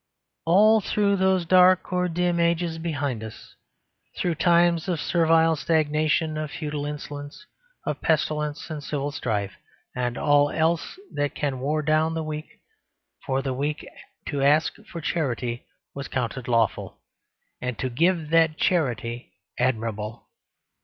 All through those dark or dim ages behind us, through times of servile stagnation, of feudal insolence, of pestilence and civil strife and all else that can war down the weak, for the weak to ask for charity was counted lawful, and to give that charity, admirable.